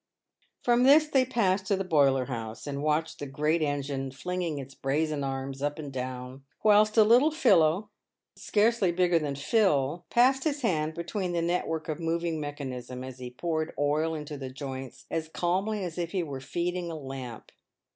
Prom this they passed to the boiler house, and watched the great engine flinging its brazen arms up and down, whilst a little fellow, PAVED WITH GOLD. 53 scarcely bigger than Phil, passed his hand between the network of moving mechanism, as he poured oil into the joints as calmly as if he were feeding a lamp.